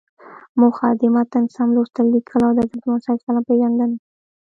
موخه: د متن سم لوستل، ليکل او د حضرت محمد ﷺ پیژندنه.